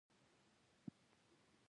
وايي چې دوى په ولاړو بولې کيې.